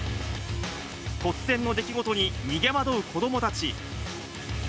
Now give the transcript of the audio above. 突然の出来事に逃げ惑う子どもたち。